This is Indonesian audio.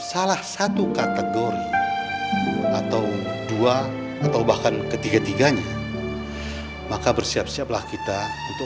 salah satu kategori atau dua atau bahkan ketiga tiganya maka bersiap siaplah kita untuk